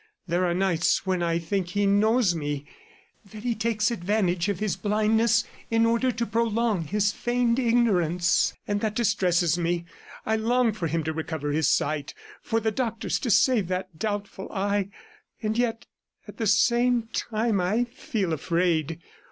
There are nights when I think that he knows me, that he takes advantage of his blindness in order to prolong his feigned ignorance, and that distresses me. I long for him to recover his sight, for the doctors to save that doubtful eye and yet at the same time, I feel afraid.